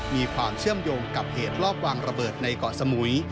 มีความเชื่อมโยงกับเหตุรอบวางระเบิดในเกาะสมุย